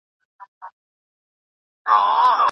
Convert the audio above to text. شپه مي اوږدومه له سحر څخه بېرېږمه